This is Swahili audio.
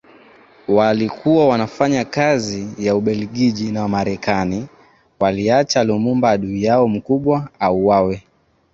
walikuwa wanafanya kazi ya Ubeligiji na Marekani waliacha Lumumba adui yao mkubwa auwawe